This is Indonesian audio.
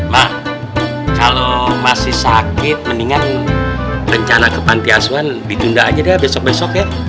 mak kalo masih sakit mendingan rencana kepantiasuan ditunda aja deh besok besok ya